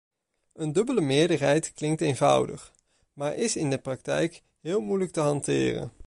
Een dubbele meerderheid klinkt eenvoudig, maar is in de praktijk heel moeilijk te hanteren.